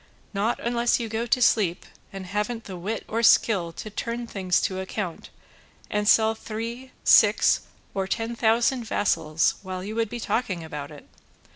Not unless you go to sleep and haven't the wit or skill to turn things to account and sell three, six, or ten thousand vassals while you would be talking about it!